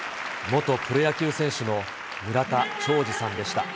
元プロ野球選手の村田兆治さんでした。